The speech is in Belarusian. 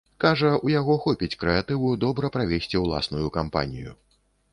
Кажа, у яго хопіць крэатыву добра правесці ўласную кампанію.